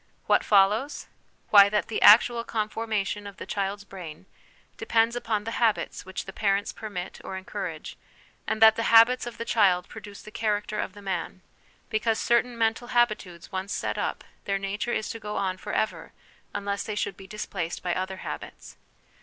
What follows? Why, that the actual conformation of the child's brain depends upon the habits which the parents permit or encourage ; and that the habits of the child produce the character of the man, because certain mental habitudes once set up, their nature is to go on for ever unless they should be displaced by other habits.